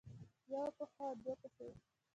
يوه پښه او دوه پښې